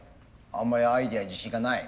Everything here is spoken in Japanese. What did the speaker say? あんまりアイデアに自信がない？